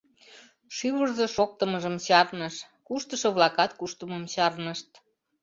Шӱвырзӧ шоктымыжым чарныш, куштышо-влакат куштымым чарнышт.